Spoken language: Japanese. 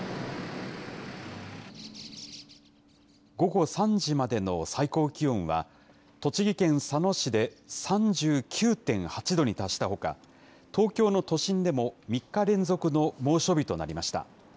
午後３時までの最高気温は、栃木県佐野市で３９．８度に達したほか、東京の都心でも３日連続の猛暑日となりました。